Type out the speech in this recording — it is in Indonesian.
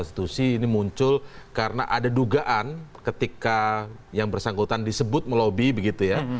ini muncul karena ada dugaan ketika yang bersangkutan disebut melobi begitu ya